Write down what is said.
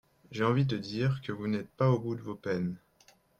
J’ai envie de dire que vous n’êtes pas au bout de vos peines.